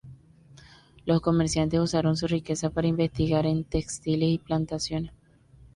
Los comerciantes usaron su riqueza para investigar en textiles y plantaciones.